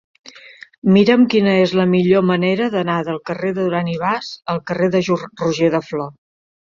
Mira'm quina és la millor manera d'anar del carrer de Duran i Bas al carrer de Roger de Flor.